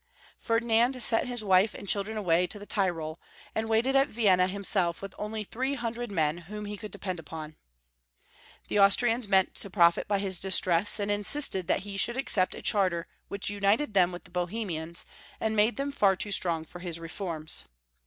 Ferduiand sent his wife and children away to the Tyrol, and waited at Vienna himself with only three hundred men whom he could depend upon. The Austrians meant to profit by his distress, and insisted that he should accept a charter which united them with the Bohemians, and made them 829 330 Young Folks' History of G ermany. far too strong for his reforms.